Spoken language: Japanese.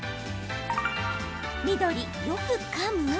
緑・よくかむ？